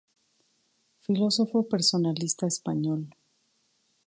Filósofo personalista español.